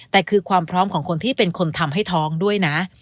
แต่คือความพร้อมของคนที่เป็นคนทำให้ท้องด้วยนะ